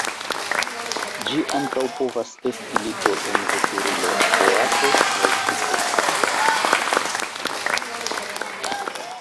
Ĝi ankaŭ povas esti lito en veturilo, boato aŭ ŝipo.